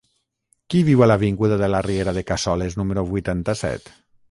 Qui viu a l'avinguda de la Riera de Cassoles número vuitanta-set?